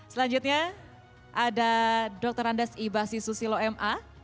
selanjutnya ada doktor randes ibasi susilo ma